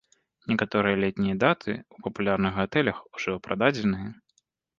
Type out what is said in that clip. Некаторыя летнія даты ў папулярных гатэлях ужо прададзеныя.